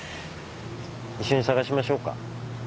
一緒に捜しましょうか？